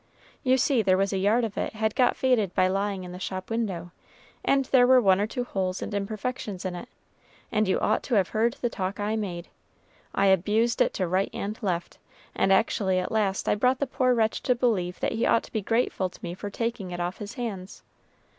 You see there was a yard of it had got faded by lying in the shop window, and there were one or two holes and imperfections in it, and you ought to have heard the talk I made! I abused it to right and left, and actually at last I brought the poor wretch to believe that he ought to be grateful to me for taking it off his hands.